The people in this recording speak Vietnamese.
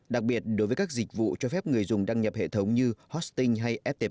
đặc biệt đối với các dịch vụ cho phép người dùng đăng nhập hệ thống như hosting hay ft